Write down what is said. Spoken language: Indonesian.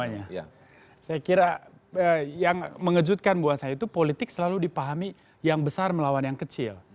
saya kira yang mengejutkan buat saya itu politik selalu dipahami yang besar melawan yang kecil